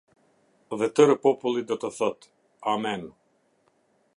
Dhe tërë populli do të thotë: "Amen".